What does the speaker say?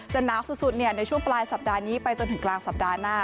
หนาวสุดในช่วงปลายสัปดาห์นี้ไปจนถึงกลางสัปดาห์หน้า